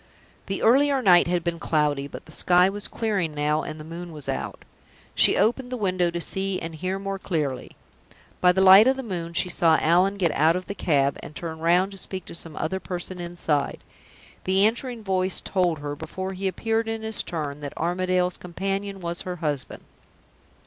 The earlier night had been cloudy, but the sky was clearing now and the moon was out. She opened the window to see and hear more clearly. By the light of the moon she saw Allan get out of the cab, and turn round to speak to some other person inside. The answering voice told her, before he appeared in his turn, that Armadale's companion was her husband.